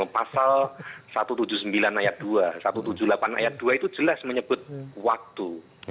pasal satu ratus tujuh puluh sembilan ayat dua satu ratus tujuh puluh delapan ayat dua itu jelas menyebut waktu